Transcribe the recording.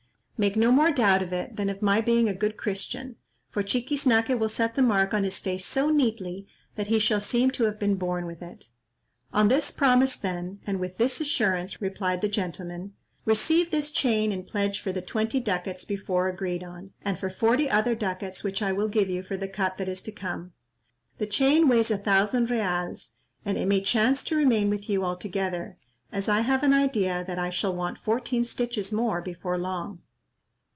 "Make no more doubt of it than of my being a good Christian, for Chiquiznaque will set the mark on his face so neatly, that he shall seem to have been born with it." "On this promise, then, and with this assurance," replied the gentleman, "receive this chain in pledge for the twenty ducats before agreed on, and for forty other ducats which I will give you for the cut that is to come. The chain weighs a thousand reals, and it may chance to remain with you altogether, as I have an idea that I shall want fourteen stitches more before long."